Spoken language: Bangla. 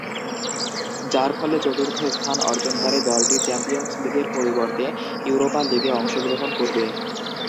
যার ফলে চতুর্থ স্থান অর্জনকারী দলটি চ্যাম্পিয়নস লীগের পরিবর্তে ইউরোপা লীগে অংশগ্রহণ করবে।